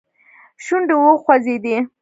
شونډې وخوځېدې.